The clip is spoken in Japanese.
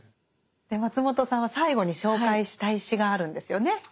で松本さんは最後に紹介したい詩があるんですよね。